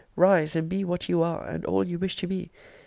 rise, and be what you are, and all you wish to be!